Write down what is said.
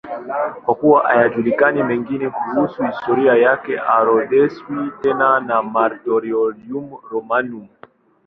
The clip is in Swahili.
Kwa kuwa hayajulikani mengine kuhusu historia yake, haorodheshwi tena na Martyrologium Romanum.